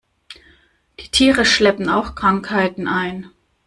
Die Tiere schleppen auch Krankheiten ein.